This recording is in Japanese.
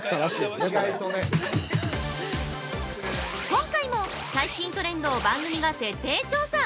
◆今回も最新トレンドを番組が徹底調査！